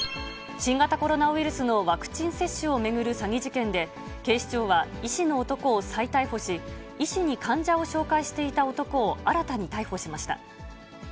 新型コロナウイルスのワクチン接種を巡る詐欺事件で、警視庁は医師の男を再逮捕し、医師に患者を紹介していた男を新たに逮捕しました。